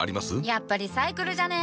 やっぱリサイクルじゃね？